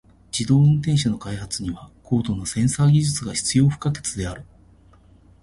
自動運転車の開発には高度なセンサー技術が必要不可欠である。